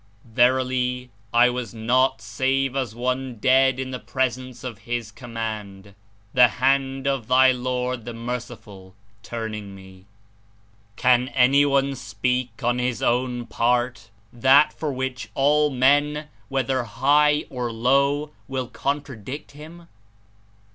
Verily, I was not save as one dead in the presence of His Command, the hand of thy Lord, the Merciful, turning me. Can any one speak on his own part that for which all men, whether high or low, will contradict him?